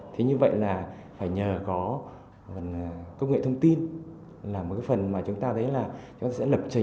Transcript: thế như vậy là phải nhờ có công nghệ thông tin là một cái phần mà chúng ta thấy là chúng ta sẽ lập trình